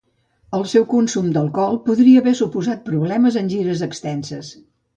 El seu consum d'alcohol podria haver suposat problemes en gires extenses.